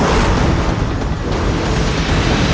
aku harus mengerahkan seluruh kemampuanku